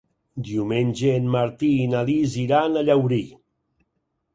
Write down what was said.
Diumenge en Martí i na Lis iran a Llaurí.